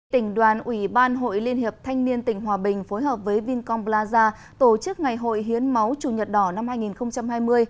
tỉnh đoàn ủy ban hội liên hiệp thanh niên tỉnh hòa bình phối hợp với vincom plaza tổ chức ngày hội hiến máu chủ nhật đỏ năm hai nghìn hai mươi